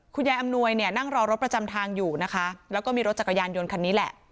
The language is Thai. อำนวยเนี่ยนั่งรอรถประจำทางอยู่นะคะแล้วก็มีรถจักรยานยนต์คันนี้แหละ